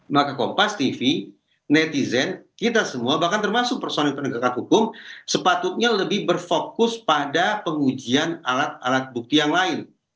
maka kompas tv netizen kita semua bahkan termasuk personil penegakan hukum sepatutnya lebih berfokus pada pengujian alat alat bukti yang lain